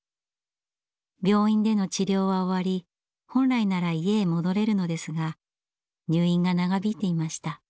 病院での治療は終わり本来なら家へ戻れるのですが入院が長引いていました。